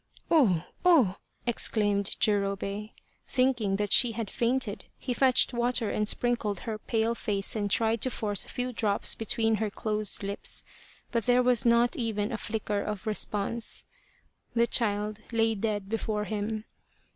" Oh, oh !" exclaimed Jurobei. Thinking that she had fainted, he fetched water and sprinkled her pale face and tried to force a few drops between her closed lips, but there was not even a flicker of response. The child lay dead before him.